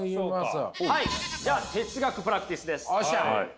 じゃあ哲学プラクティスです。